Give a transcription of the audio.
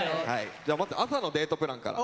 じゃあまず朝のデートプランから。